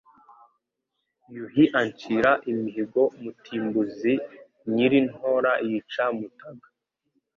Yuhi ancira imihigo Mutimbuzi Nyiri-Ntora yica Mutaga,